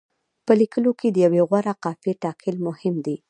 په لیکلو کې د یوې غوره قافیې ټاکل مهم دي.